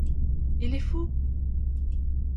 Il est fou!